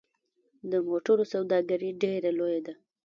د موټرو سوداګري ډیره لویه ده